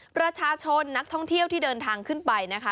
ประชาชนนักท่องเที่ยวที่เดินทางขึ้นไปนะคะ